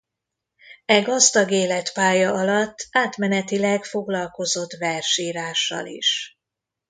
E gazdag életpálya alatt átmenetileg foglalkozott versírással is.